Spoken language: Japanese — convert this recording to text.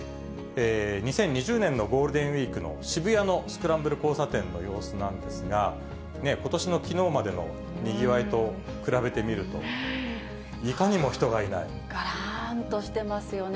２０２０年のゴールデンウィークの渋谷のスクランブル交差点の様子なんですが、ことしのきのうまでのにぎわいと比べてみると、がらーんとしてますよね。